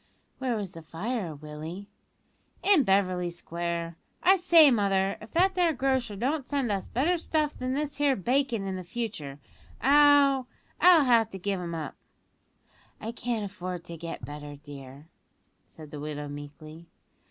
"Where was the fire, Willie?" "In Beverly Square. I say, mother, if that there grocer don't send us better stuff than this here bacon in future, I'll I'll have to give him up." "I can't afford to get better, dear," said the widow meekly.